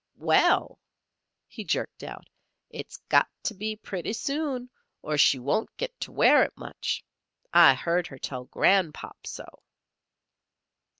"Well!" he jerked out. "It's got to be pretty soon, or she won't git to wear it much. I heard her tell Gran'pop so."